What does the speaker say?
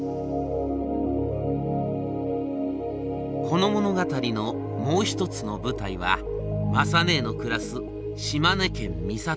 この物語のもう一つの舞台は雅ねえの暮らす島根県美郷町。